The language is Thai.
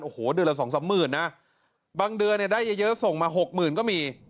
โอ้โหเดือนละ๒๓หมื่นบางเดือนได้เยอะส่งมา๖หมื่นก็มี